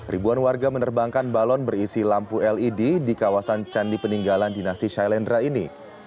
ribuan warga menerbangkan balon berisi lampu led di kawasan candi peninggalan dinasti shailendra ini